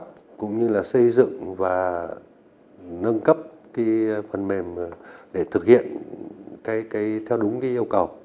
hợp tác cũng như là xây dựng và nâng cấp phần mềm để thực hiện theo đúng yêu cầu